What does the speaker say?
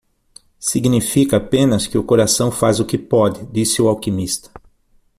"Significa apenas que o coração faz o que pode", disse o alquimista.